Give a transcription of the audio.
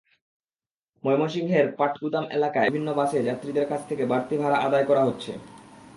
ময়মনসিংহের পাটগুদাম এলাকায় বিভিন্ন বাসে যাত্রীদের কাছ থেকে বাড়তি ভাড়া আদায় করা হচ্ছে।